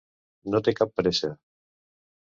No té cap pressa.